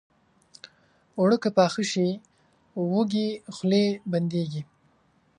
اوړه که پاخه شي، وږې خولې بندېږي